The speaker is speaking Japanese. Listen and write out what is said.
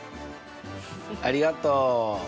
ありがとう。